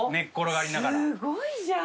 すごいじゃん！